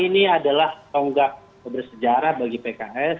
ini adalah tonggak bersejarah bagi pks